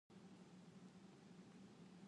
Ada asap ada api